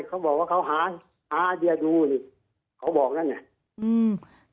เขาบอกว่าเขาหาดียาดูขอบอกแล้วเนี่ย